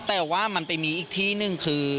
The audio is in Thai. แต่ว่ามันไปมีอีกที่หนึ่งคือ